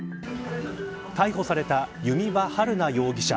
逮捕された弓場晴菜容疑者。